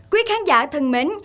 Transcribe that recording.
quý khán giả thân mến